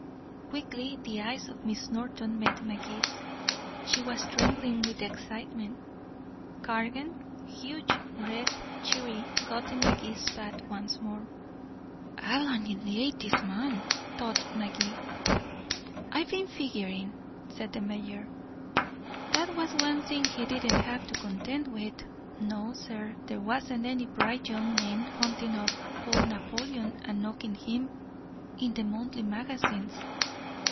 Quickly the eyes of Miss Norton met Magee's. She was trembling with excitement. Cargan, huge, red, cheery, got in Magee's path once more. "I'll annihilate this man," thought Magee. "I've been figuring," said the mayor, "that was one thing he didn't have to contend with. No, sir, there wasn't any bright young men hunting up old Napoleon and knocking him in the monthly magazines.